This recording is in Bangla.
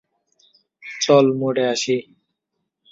চল, মরে আসি।